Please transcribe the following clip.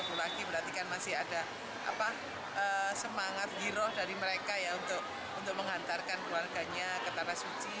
untuk mengantarkan keluarganya ke tanah suci